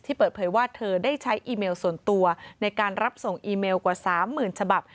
เปิดเผยว่าเธอได้ใช้อีเมลส่วนตัวในการรับส่งอีเมลกว่า๓๐๐๐ฉบับ